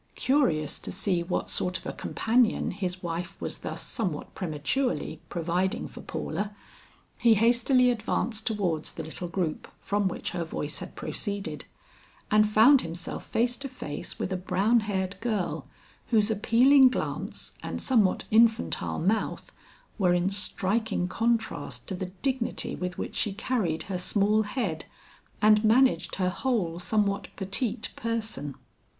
Curious to see what sort of a companion his wife was thus somewhat prematurely providing for Paula, he hastily advanced towards the little group from which her voice had proceeded, and found himself face to face with a brown haired girl whose appealing glance and somewhat infantile mouth were in striking contrast to the dignity with which she carried her small head and managed her whole somewhat petite person.